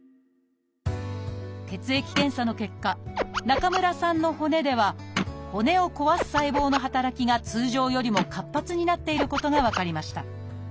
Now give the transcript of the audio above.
血液検査の結果中村さんの骨では骨を壊す細胞の働きが通常よりも活発になっていることが分かりました。